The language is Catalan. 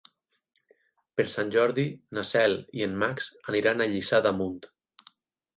Per Sant Jordi na Cel i en Max aniran a Lliçà d'Amunt.